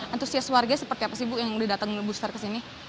antusias warga seperti apa sih bu yang udah datang booster ke sini